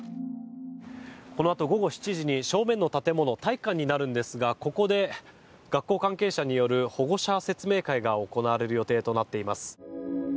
このあと午後７時に正面の建物体育館になるんですがここで学校関係者による保護者説明会が行われる予定となっています。